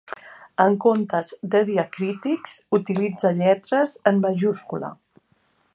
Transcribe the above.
En comptes de diacrítics utilitza lletres en majúscula.